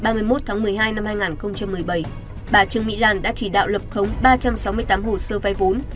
bà trương mỹ lan đã chỉ đạo lập khống ba trăm sáu mươi tám hồ sơ vai vốn